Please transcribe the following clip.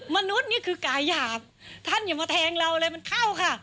มนุษย์นี่คือกายหยาบท่านอย่ามาแทงเราเลยมันเข้าค่ะ